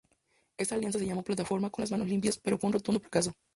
Esa alianza se llamó Plataforma con las Manos Limpias, pero fue un rotundo fracaso.